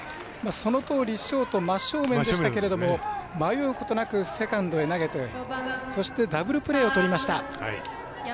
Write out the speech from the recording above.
そのとおりショート真正面でしたけど迷うことなくセカンドへ投げてそしてダブルプレーをとりました。